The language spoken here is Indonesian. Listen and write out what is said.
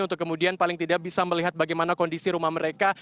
untuk kemudian paling tidak bisa melihat bagaimana kondisi rumah mereka